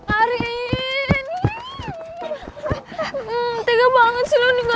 apun bagaimana adanya